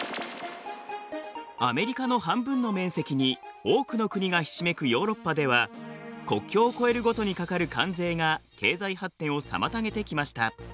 アメリカの半分の面積に多くの国がひしめくヨーロッパでは国境を越えるごとにかかる関税が経済発展を妨げてきました。